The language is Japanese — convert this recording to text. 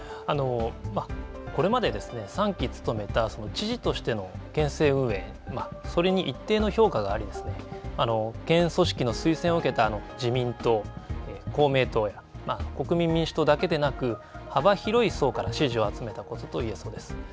これまで３期務めた知事としての県政運営、それに一定の評価があり、県組織の推薦を受けた自民党、公明党、国民民主党だけでなく幅広い層から支持を集めたことといえそうです。